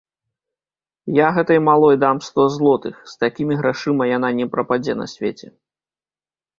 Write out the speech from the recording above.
Я гэтай малой дам сто злотых, з такімі грашыма яна не прападзе на свеце.